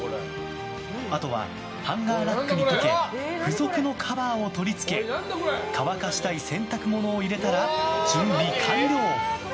あとはハンガーラックにかけ付属のカバーを取り付け乾かしたい洗濯物を入れたら準備完了。